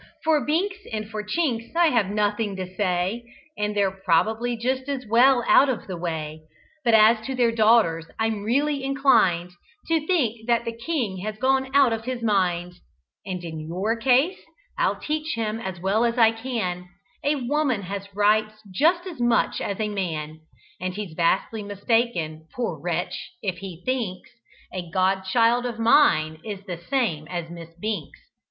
For Binks and for Chinks I have nothing to say, And they're probably just as well out of the way; But as to their daughters I'm really inclined To think that the king has gone out of his mind, And in your case, I'll teach him, as well as I can, A woman has rights just as much as a man, And he's vastly mistaken, poor wretch, if he thinks A god child of mine is the same as Miss Binks.